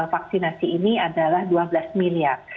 vaksinasi ini adalah dua belas miliar